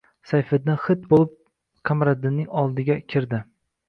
Sayfiddin xit bo‘lib Qamariddinning oldiga kirdi